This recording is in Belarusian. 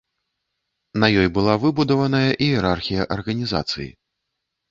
На ёй была выбудаваная іерархія арганізацыі.